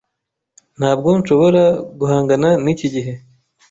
Ntabwo nshobora guhangana niki gihe.